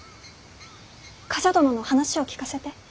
冠者殿の話を聞かせて。